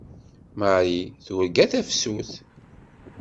Marie turga tafsut.